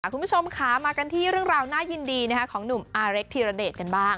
คุณผู้ชมค่ะมากันที่เรื่องราวน่ายินดีของหนุ่มอาเล็กธีรเดชกันบ้าง